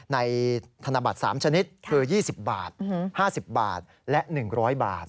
ธนบัตร๓ชนิดคือ๒๐บาท๕๐บาทและ๑๐๐บาท